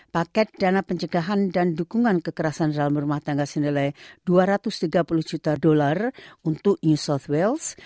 paket dana pencegahan dan dukungan kekerasan dalam rumah tangga senilai dua ratus tiga puluh juta dolar untuk new south wales